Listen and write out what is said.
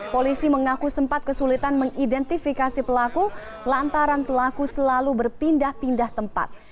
polisi mengaku sempat kesulitan mengidentifikasi pelaku lantaran pelaku selalu berpindah pindah tempat